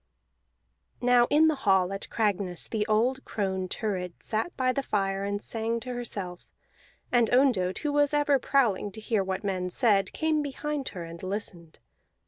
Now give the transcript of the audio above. Now in the hall at Cragness the old crone Thurid sat by the fire and sang to herself; and Ondott, who was ever prowling to hear what men said, came behind her and listened.